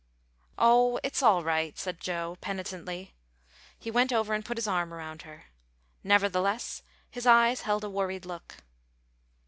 "Oh, it's all right," said Joe, penitently. He went over and put his arm around her. Nevertheless, his eyes held a worried look.